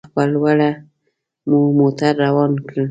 مخ په لوړه مو موټر روان کړ.